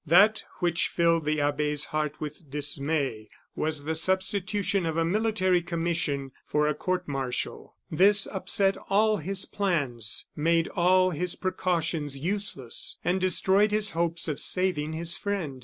That which filled the abbe's heart with dismay was the substitution of a military commission for a court martial. This upset all his plans, made all his precautions useless, and destroyed his hopes of saving his friend.